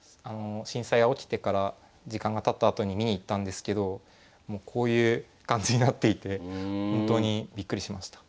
震災が起きてから時間がたったあとに見に行ったんですけどもうこういう感じになっていて本当にびっくりしました。